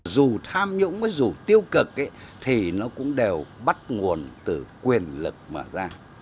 dù tham nhũng với dù tiêu cực thì nó cũng đều bắt nguồn từ quyền lực mà ra